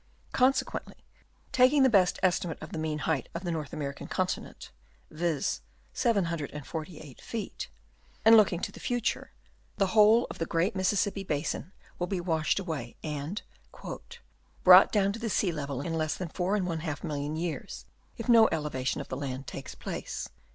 Con sequently, taking the best estimate of the mean height of the North American continent, viz. 748 feet, and looking to the future, the whole of the great Mississippi basin will be washed away, and " brought down to the sea " level in less than 4,500,000 years, if no " elevation of the land takes place."